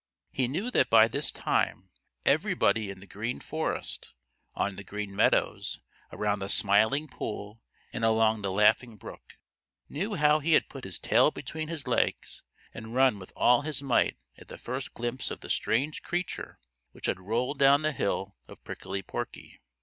He knew that by this time everybody in the Green Forest, on the Green Meadows, around the Smiling Pool, and along the Laughing Brook, knew how he had put his tail between his legs and run with all his might at the first glimpse of the strange creature which had rolled down the hill of Prickly Porky.